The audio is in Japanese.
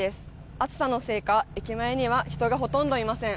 暑さのせいか駅前には人がほとんどいません。